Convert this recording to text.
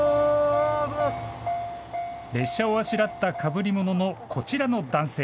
列車をあしらったかぶり物のこちらの男性。